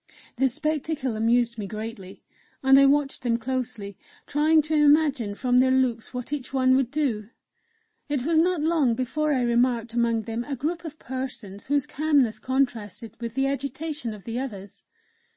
The spectacle amused me greatly, and I watched them closely, trying to imagine from their looks what each one would do.... It was not long before I remarked among them a group of persons whose calmness contrasted with the agitation of the others.